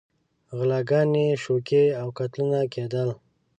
غلاګانې، شوکې او قتلونه کېدل.